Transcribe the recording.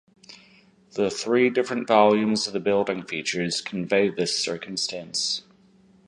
The three different volumes the building features convey this circumstance.